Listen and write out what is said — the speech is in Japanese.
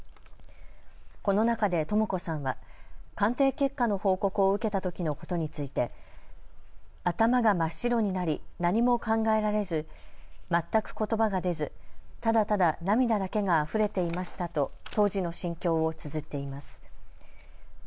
この中でとも子さんは鑑定結果の報告を受けたときのことについて頭が真っ白になり何も考えられず全くことばが出ず、ただただ涙だけがあふれていましたと当時の心境をつづっています。